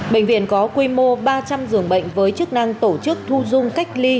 bệnh viện có quy mô ba trăm linh giường bệnh với chức năng tổ chức thu dung cách ly